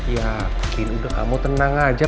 ya mungkin udah kamu tenang aja